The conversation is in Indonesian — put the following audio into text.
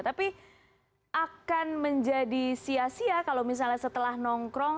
tapi akan menjadi sia sia kalau misalnya setelah nongkrong